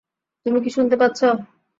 তুমি কি শুনতে পাচ্ছ?